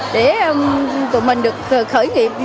để tụi mình được khởi nghiệp